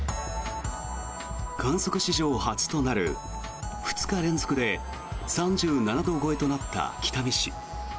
観測史上初となる２日連続で３７度超えとなった北見市。